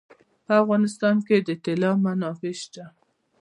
په افغانستان کې د طلا منابع شته.